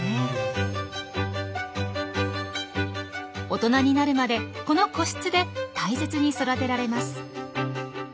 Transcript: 大人になるまでこの個室で大切に育てられます。